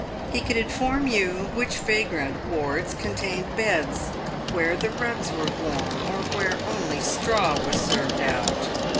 He could in form you which vagrant wards contained beds, where the rugs were warm, or where only straw was served out.